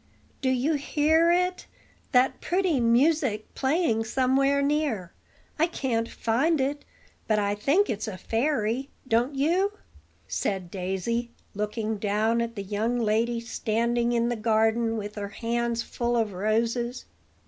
do you hear it that pretty music playing somewhere near! I can't find it; but I think it's a fairy, don't you?" said Daisy, looking down at the young lady standing in the garden with her hands full of roses.